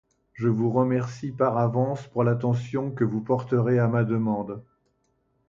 Je vous remercie par avance pour l'attention que vous porterez à ma demande.